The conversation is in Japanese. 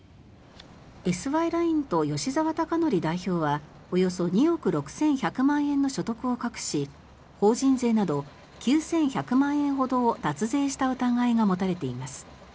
ＳＹＬｉｎｅと吉澤孝典代表はおよそ２億６１００万円の所得を隠し法人税など９１００万円ほどを脱税した疑いが持たれています。